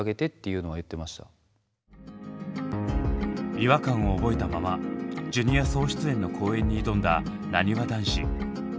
違和感を覚えたままジュニア総出演の公演に挑んだなにわ男子。